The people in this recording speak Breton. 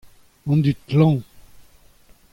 An dud klañv.